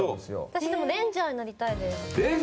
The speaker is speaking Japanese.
私レンジャーになりたいです。